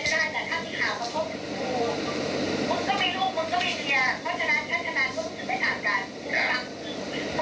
แต่นี่ยังไม่พูดถึงทีเลยนะคุณยังไม่พูดถึงทีเลยนะ